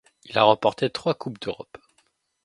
Il a remporté trois Coupes d'Europe.